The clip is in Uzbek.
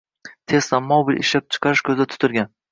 «teslamobil» ishlab chiqarish ko‘zda tutilgan.